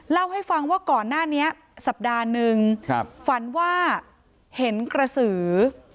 เล่าให้ฟังว่าก่อนหน้านี้สัปดาห์นึงฝันว่าเห็นกระสือ